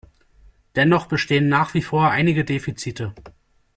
Dennoch bestehen nach wie vor einige Defizite.